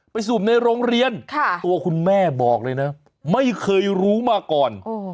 สูบในโรงเรียนตัวคุณแม่บอกเลยนะไม่เคยรู้มาก่อน